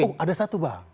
oh ada satu bang